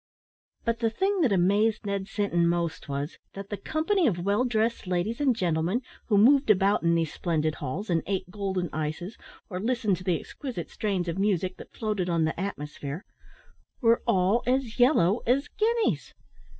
But the thing that amazed Ned Sinton most was, that the company of well dressed ladies and gentlemen who moved about in these splendid halls, and ate golden ices, or listened to the exquisite strains of music that floated on the atmosphere, were all as yellow as guineas!